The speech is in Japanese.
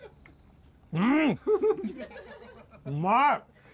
うんうまい！